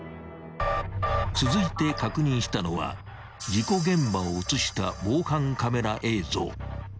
［続いて確認したのは事故現場を写した防犯カメラ映像］